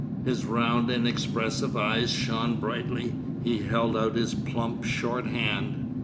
His round inexpressive eyes shone brightly. He held out his plump short hand.